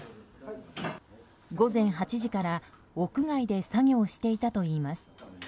午前８時から屋外で作業していたといいます。